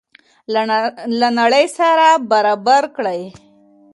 له نړۍ سره ځان برابر کړئ.